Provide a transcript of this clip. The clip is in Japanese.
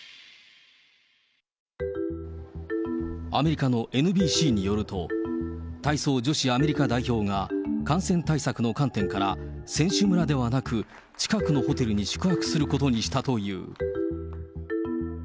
アメリカのＮＢＣによると、体操女子アメリカ代表が、感染対策の観点から、選手村ではなく、近くのホテルに宿泊することにしたという。